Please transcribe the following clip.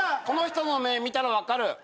この人の目見たら分かる。